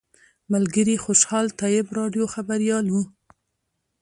ملګري خوشحال طیب راډیو خبریال و.